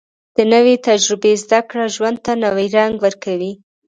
د نوې تجربې زده کړه ژوند ته نوې رنګ ورکوي